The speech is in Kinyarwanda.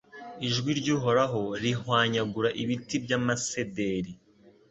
Ijwi ry’Uhoraho rihwanyagura ibiti by’amasederi